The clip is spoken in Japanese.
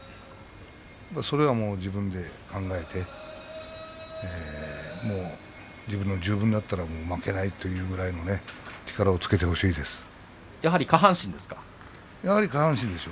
それは自分で考えて自分十分になったら負けないというぐらいの力をやはり下半身ですか。